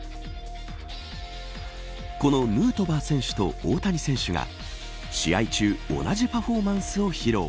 このヌートバー選手と大谷選手が試合中同じパフォーマンスを披露。